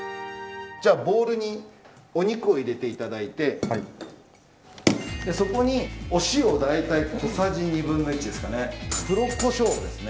ボウルにお肉を入れていただいてそこにお塩を大体小さじ２分の１です。